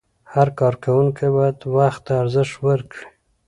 هر کارکوونکی باید وخت ته ارزښت ورکړي.